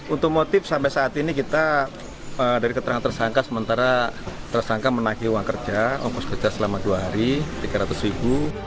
untuk motif sampai saat ini kita dari keterangan tersangka sementara tersangka menaiki uang kerja ongkos kerja selama dua hari rp tiga ratus ribu